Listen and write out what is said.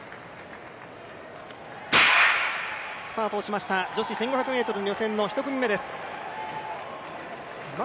スタートしました女子１５００ｍ予選の１組目です。